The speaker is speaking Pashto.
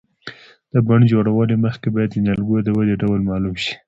د بڼ جوړولو مخکې باید د نیالګیو د ودې ډول معلوم شي.